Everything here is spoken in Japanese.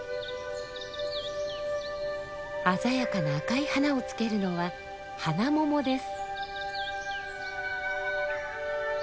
鮮やかな赤い花をつけるのはハナモモです。